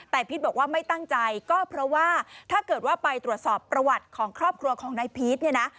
แต่พีชบอกว่าไม่ตั้งใจก็เพราะว่าถ้าเกิดว่าไปตรวจสอบประวัติของครอบครัวของนายพีชเนี่ยนะ